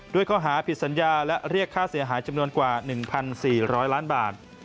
ข้อหาผิดสัญญาและเรียกค่าเสียหายจำนวนกว่า๑๔๐๐ล้านบาท